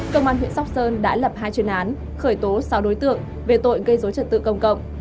công an huyện sóc sơn đã lập hai chuyên án khởi tố sáu đối tượng về tội gây dối trật tự công cộng